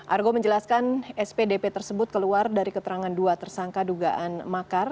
argo menjelaskan spdp tersebut keluar dari keterangan dua tersangka dugaan makar